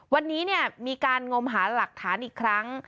วันนี้มีการงมหาหลักฐานอีกครั้ง